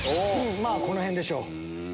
まぁこのへんでしょう。